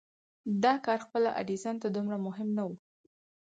دا کار خپله ايډېسن ته دومره مهم نه و.